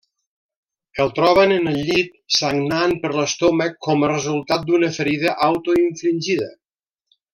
El troben en el llit, sagnant per l'estómac com a resultat d'una ferida autoinfligida.